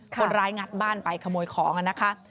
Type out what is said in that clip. งัดบ้านไปขโมยของนะคะ